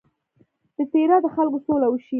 د تیرا د خلکو سوله وشي.